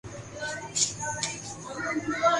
دیکھ آئیں چلو کوئے نگاراں کا خرابہ